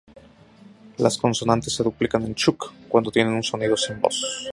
Las consonantes se duplican en Chuuk, cuando tienen un sonido sin voz.